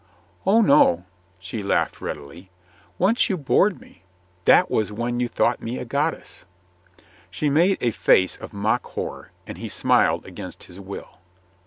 "Oh, no," she laughed readily. "Once you bored me. That was when you thought me a goddess." She made a face of mock horror, and he smiled against his will.